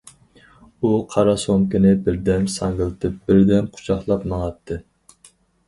ئۇ قارا سومكىنى بىردەم ساڭگىلىتىپ، بىردەم قۇچاقلاپ ماڭاتتى.